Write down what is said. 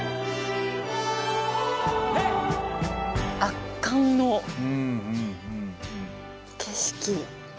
圧巻の景色。